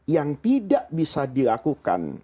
yang tidak bisa dilakukan